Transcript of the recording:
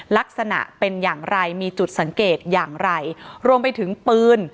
ลักษณะเป็นอย่างไรมีจุดสังเกตอย่างไรรวมไปถึงปืน